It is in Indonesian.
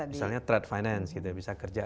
misalnya trade finance gitu ya bisa kerja